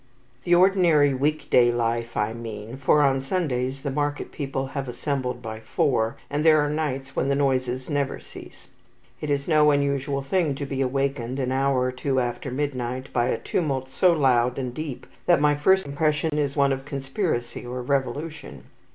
The ordinary week day life, I mean, for on Sundays the market people have assembled by four, and there are nights when the noises never cease. It is no unusual thing to be awakened, an hour or two after midnight, by a tumult so loud and deep that my first impression is one of conspiracy or revolution.